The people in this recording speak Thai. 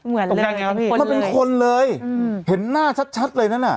เหมือนเลยมันเป็นคนเลยเห็นหน้าชัดเลยนั่นอ่ะ